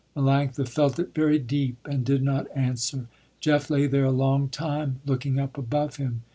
Melanctha felt it very deep and did not answer. Jeff lay there a long time, looking up above him.